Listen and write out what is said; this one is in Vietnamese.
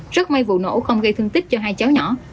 rất may vụ nổ không gây thương tích cho hai cháu nhỏ